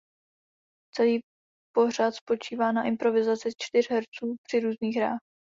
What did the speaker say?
Celý pořad spočívá na improvizaci čtyř herců při různých hrách.